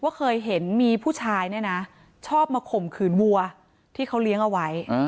เคยเห็นมีผู้ชายเนี่ยนะชอบมาข่มขืนวัวที่เขาเลี้ยงเอาไว้